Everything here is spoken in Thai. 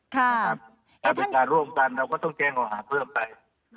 ถ้าเป็นการร่วมกันเราก็ต้องแจ้งเขาหาเพิ่มไป